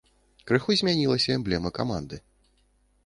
Крыху змянілася эмблема каманды.